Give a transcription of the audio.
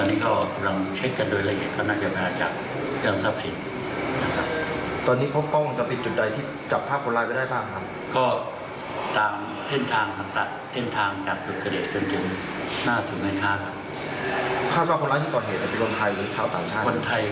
มีประยาศนี้ให้การยืนยันชัดเจนว่าพูดไทย